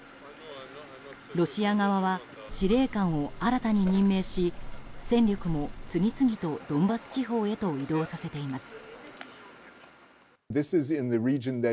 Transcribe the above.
ロシア側は司令官を新たに任命し戦力も次々とドンバス地方へと移動させています。